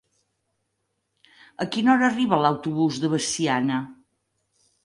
A quina hora arriba l'autobús de Veciana?